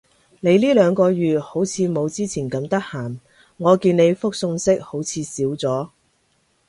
你呢兩個月好似冇之前咁得閒？我見你覆訊息好似少咗